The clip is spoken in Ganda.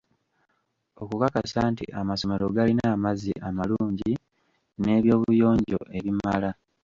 Okukakasa nti amasomero galina amazzi amalungi n'ebyobuyonjo ebimala.